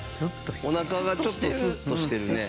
お腹がちょっとスッとしてるね。